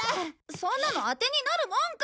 そんなのあてになるもんか！